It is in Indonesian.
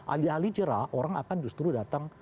ahli ahli jera orang akan justru datang